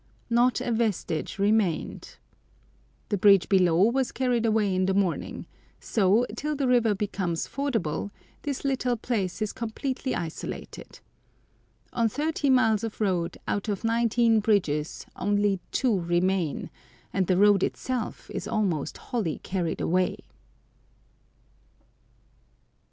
Not a vestige remained. The bridge below was carried away in the morning, so, till the river becomes fordable, this little place is completely isolated. On thirty miles of road, out of nineteen bridges only two remain, and the road itself is almost wholly carried away!